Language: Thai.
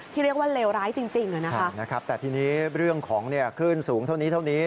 เรียกว่าเลวร้ายจริงนะครับแต่ทีนี้เรื่องของคลื่นสูงเท่านี้เท่านี้